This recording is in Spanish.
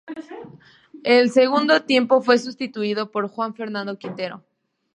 En el segundo tiempo fue sustituido por Juan Fernando Quintero.